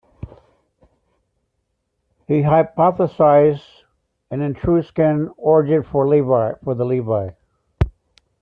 He hypothesized an Etruscan origin for the Livii.